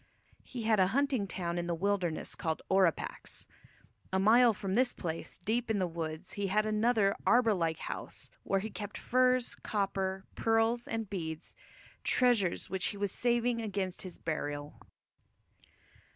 He had a hunting town in the wilderness called Orapax. A mile from this place, deep in the woods, he had another arbour like house, where he kept furs, copper, pearls, and beads, treasures which he was saving against his burial.